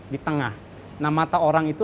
di tengah nah mata orang itu